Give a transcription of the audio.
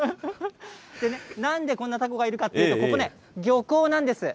なんで、こんなたこがいるかというと、ここね、漁港なんです。